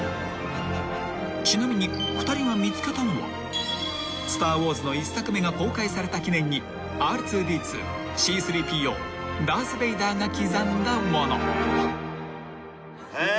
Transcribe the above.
［ちなみに２人が見つけたのは『スター・ウォーズ』の１作目が公開された記念にＲ２−Ｄ２Ｃ−３ＰＯダース・ベイダーが刻んだもの］へ！